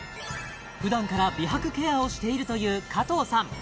普段から美白ケアをしているという加藤さん